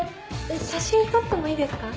えっ写真撮ってもいいですか？